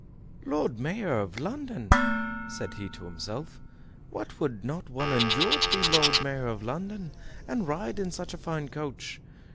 "Lord Mayor of London!" said he to himself, "what would not one endure to be Lord Mayor of London, and ride in such a fine coach?